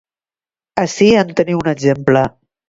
Ací en teniu un exemple.